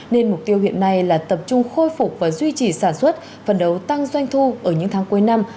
nên mục tiêu hiện nay là tập trung khôi phục và duy trì sản xuất phần đấu tăng doanh thu ở những tháng cuối năm